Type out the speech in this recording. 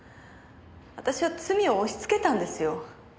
私は罪を押しつけたんですよ。